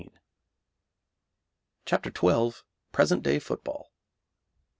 CHAPTER XII. Present Day Football.